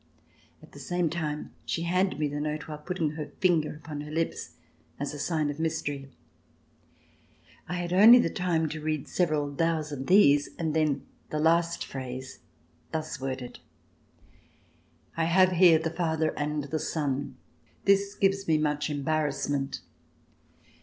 At the same time she handed me the note, while putting her finger upon her lips as a sign of mystery. I had only the time to read several "thous" and ''thees"; then the last phrase thus worded: 'T have here the father and the son. This gives me much embarrassment."